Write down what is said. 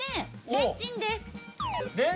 レンチンで。